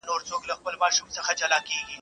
زړه به تش کړم ستا له میني ستا یادونه ښخومه.